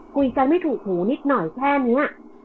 คุยกันไม่ถูกหูนิดหน่อยแค่นี้